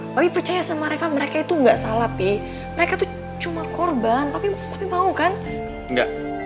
lagi yang juga mereka bukan anak sekolah kamu juga